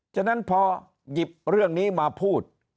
ฉะนั้นพอหยิบเรื่องนี้มาพูด